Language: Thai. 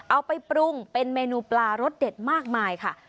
เอาไปปรุงเป็นเมนูปลารสเด็ดมากมายค่ะ